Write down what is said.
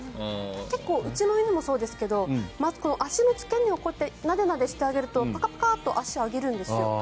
うちの犬もそうですが足の付け根をなでなでしてあげるとパカパカっと足を上げるんですよ。